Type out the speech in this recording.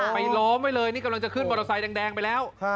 ไปล้อมไว้เลยนี่กำลังจะขึ้นบริษัทแดงไปแล้ว